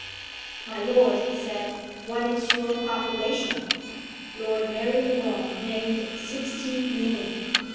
"My lord," he said, "what is your population?" Lord Marylebone named sixty million.